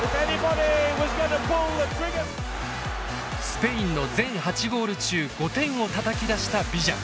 スペインの全８ゴール中５点をたたき出したビジャ。